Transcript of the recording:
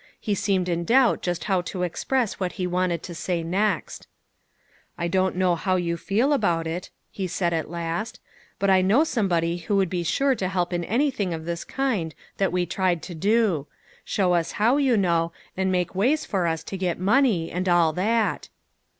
He seemed in doubt just how to express what he wanted to say next. " I don't know how you feel about it," he said as last, " but I know somebody who would be sure to help in anything of this kind that we tried to do show us how, you know, and make ways for us to get money, and all that."